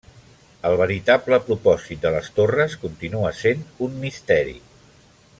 El veritable propòsit de les torres continua sent un misteri.